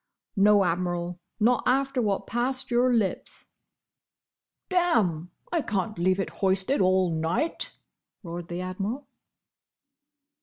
"No, Admiral. Not after what passed your lips." "Damme! I can't leave it hoisted all night!" roared the Admiral.